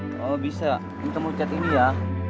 kalau bisa itu temukan cat ini ya